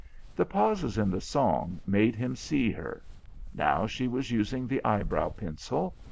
The pauses in the song made him see her.... Now she was using the eyebrow pencil....